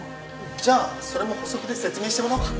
じゃあそれも補足で説明してもらおうか。